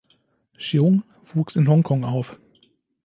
Cheung wuchs in Hongkong auf.